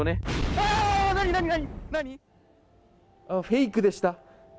フェイクでした。